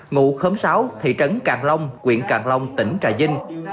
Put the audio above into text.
ngụ khớm sáu thị trấn càng long quyện càng long tỉnh trà vinh